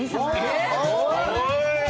えっ！？